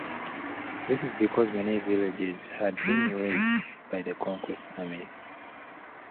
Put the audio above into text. This is because many villages had been razed by the conquest armies.